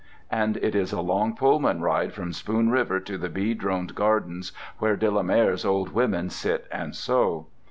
And it is a long Pullman ride from Spoon River to the bee droned gardens where De la Mare's old women sit and sew.